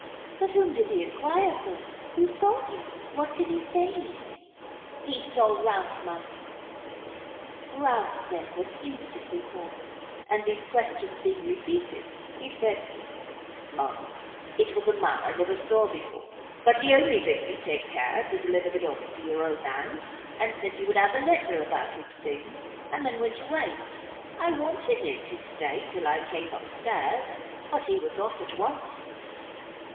"But whom did he enquire for? who saw him? what did he say?" "He saw Ralph, ma'am." Ralph, then, was instantly called; and these questions being repeated, he said, "Ma'am, it was a man I never saw before; but he only bid me take care to deliver the dog into your own hands, and said you would have a letter about him soon, and then went away; I wanted him to stay till I came up stairs, but he was off at once."